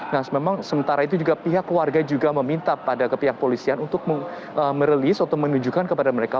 nah memang sementara itu pihak keluarga juga meminta pada pihak kepolisian untuk merelease atau menunjukkan kepada mereka